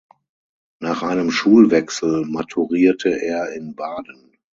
Nach einem Schulwechsel maturierte er in Baden.